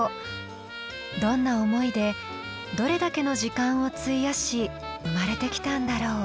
どんな思いでどれだけの時間を費やし生まれてきたんだろう。